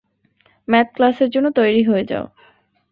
Math ক্লাসের জন্য তৈরি হয়ে যাও।